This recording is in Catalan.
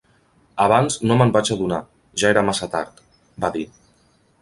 "Abans no me'n vaig adonar, ja era massa tard", va dir.